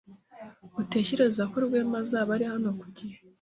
Utekereza ko Rwema azaba ari hano ku gihe?